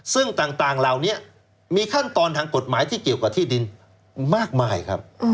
ซึ่งต่างเหล่านี้มีขั้นตอนทางกฎหมายที่เกี่ยวกับที่ดินมากมายครับ